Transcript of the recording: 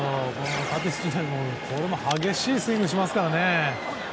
これも激しいスイングをしますからね。